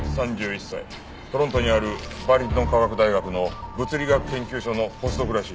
トロントにあるバーリントン科学大学の物理学研究所のポスドクらしい。